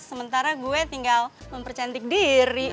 sementara gue tinggal mempercantik diri